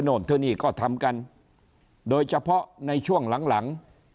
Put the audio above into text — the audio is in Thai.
เพราะฉะนั้นถนนทนนี่ก็ทำกันโดยเฉพาะในช่วงหลัง